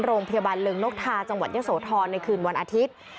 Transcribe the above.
โรงพยาบาลเริงนกทาจังหวัดเยอะโสธรในคืนวันอาทิตย์